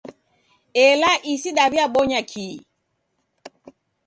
Ela isi daw'iabonya kii?